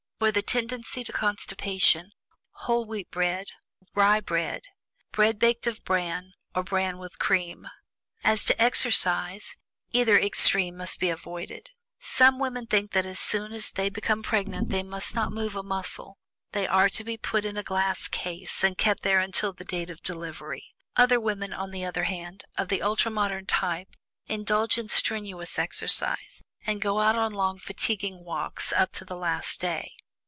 For the tendency to constipation, whole wheat bread, rye bread, bread baked of bran, or bran with cream. As to exercise, either extreme must be avoided. Some women think that as soon as they become pregnant, they must not move a muscle; they are to be put in a glass case, and kept there until the date of delivery. Other women, on the other hand, of the ultra modern type, indulge in strenuous exercise, and go out on long fatiguing walks up to the last day.